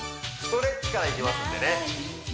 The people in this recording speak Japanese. ストレッチからいきますんでね